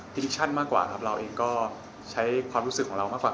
ชั่นมากกว่าครับเราเองก็ใช้ความรู้สึกของเรามากกว่า